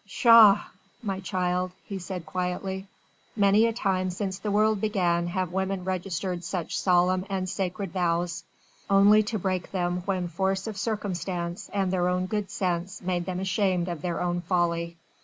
"Pshaw, my child," he said quietly, "many a time since the world began have women registered such solemn and sacred vows, only to break them when force of circumstance and their own good sense made them ashamed of their own folly."